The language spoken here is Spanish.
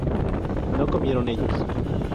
¿No comieron ellos?